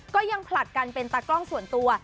ก็ยังผลัดกันเป็นตากล้องส่วนตัว